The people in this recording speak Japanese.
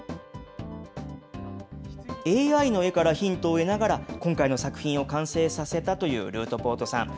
ＡＩの絵からヒントを得ながら、今回の作品を完成させたというＲｏｏｔｐｏｒｔさん。